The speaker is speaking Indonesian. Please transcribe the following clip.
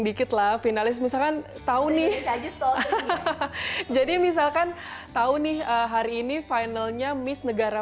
dikitlah finalis misalkan tahu nih jadi misalkan tahu nih hari ini finalnya miss negara